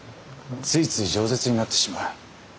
ついついじょう舌になってしまう。